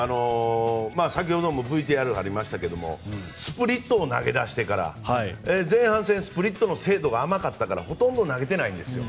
先ほどもＶＴＲでありましたがスプリットを投げ出してから前半戦スプリットの精度が甘かったからほとんど投げてないんです。